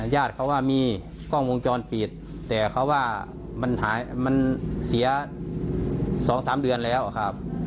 ญาติเขาว่ามีกล้องวงจรปิดแต่เขาว่ามันหายมันเสีย๒๓เดือนแล้วครับ